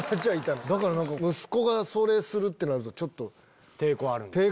だから息子がそれするってなるとちょっと。